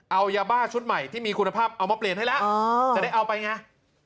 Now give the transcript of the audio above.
เอายาบ้าชุดใหม่ที่มีคุณภาพเอามาเปลี่ยนให้แล้วจะได้เอาไปไง